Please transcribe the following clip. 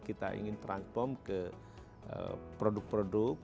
kita ingin transform ke produk produk